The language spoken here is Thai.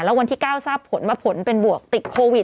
แล้ววันที่๙ทราบผลว่าผลเป็นบวกติดโควิด